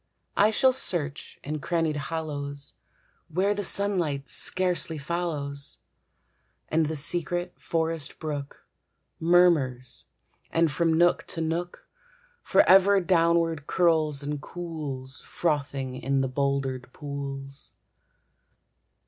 I shall search in crannied hollows, Where the sunlight scarcely follows, And the secret forest brook Murmurs, and from nook to nook Forever downward curls and cools, Frothing in the bouldered pools.